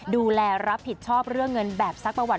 ดูแลรับผิดชอบเรื่องเงินแบบซักประวัติ